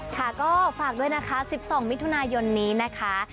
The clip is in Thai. ค่ะก็ฝากด้วยนะคะ๑๒มิถุนายนนี้นะคะ